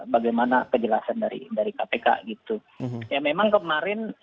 bagaimana kejelasan dari kpk gitu ya memang kemarin